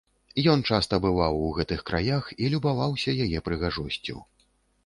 Ён часта бываў у гэтых краях і любаваўся яе прыгажосцю.